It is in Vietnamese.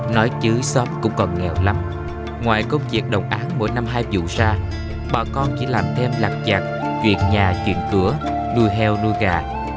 nói chứ xóm cũng còn nghèo lắm ngoài công việc đồng án mỗi năm hai vụ ra bà con chỉ làm thêm lặp chặt chuyện nhà chuyển cửa nuôi heo nuôi gà